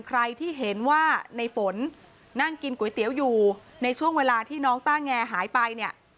ใครที่เห็นว่าในฝนนั่งกินก๋วยเตี๋ยวอยู่ในช่วงเวลาที่น้องต้าแงหายไปเนี่ย